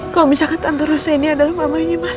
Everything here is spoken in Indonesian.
kalau bisa ke tante rose ini adalah mamanya masa